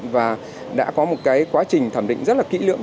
và đã có một cái quá trình thẩm định rất là kỹ lưỡng